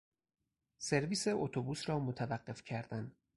سرویس اتوبوس را متوقف کردن